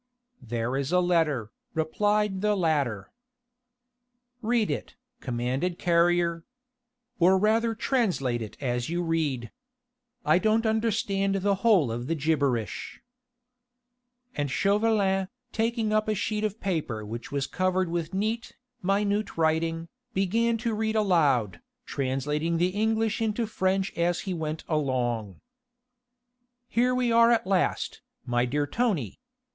"There is a letter," replied the latter. "Read it," commanded Carrier. "Or rather translate it as you read. I don't understand the whole of the gibberish." And Chauvelin, taking up a sheet of paper which was covered with neat, minute writing, began to read aloud, translating the English into French as he went along: "'Here we are at last, my dear Tony!